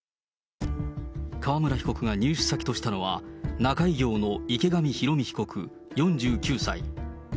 川村被告が入手先としたのが仲居業の池上ひろみ被告４９歳。